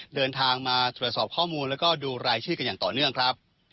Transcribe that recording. เดินทางมาตรวจสอบข้อมูลแล้วก็ดูรายชื่อกันอย่างต่อเนื่องครับ